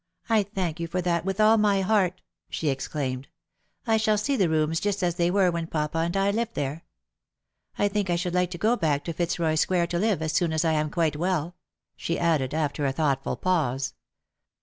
I thank you for that irith all my heart," she exclaimed. " I shall see the rooms just as they were when papa and I lived there. I think I should like to go 240 Lost for Love. back to Fitzroy square to live as soon as I am quite well," sh« added, after a thoughtful pause.